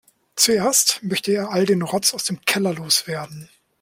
Zuerst möchte er all den Rotz aus dem Keller loswerden.